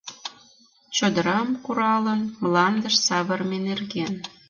Чодырам, куралын, мландыш савырыме нерген